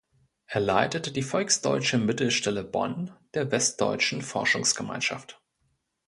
Er leitete die „Volksdeutsche Mittelstelle Bonn“ der „Westdeutschen Forschungsgemeinschaft“.